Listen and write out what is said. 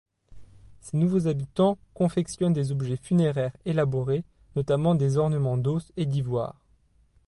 Ces nouveaux habitants confectionnent des objets funéraires élaborés, notamment des ornements d’os et d’ivoire.